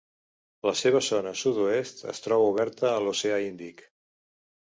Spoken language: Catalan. La seva zona sud-oest es troba oberta a l'oceà Índic.